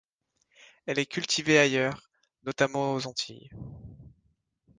Elle est cultivée ailleurs, notamment aux Antilles.